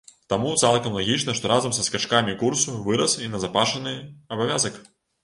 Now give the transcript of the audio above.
Таму цалкам лагічна, што разам са скачкамі курсу вырас і назапашаны абавязак.